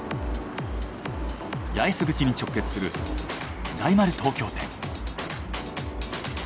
八重洲口に直結する大丸東京店。